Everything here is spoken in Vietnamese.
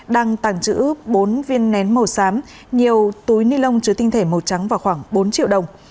đang tàng trữ bốn viên nén màu xám nhiều túi ni lông chứa tinh thể màu trắng và khoảng bốn triệu đồng